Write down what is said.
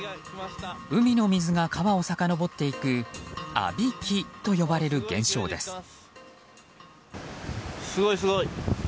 海の水が川をさかのぼっていくあびきと呼ばれる現象です。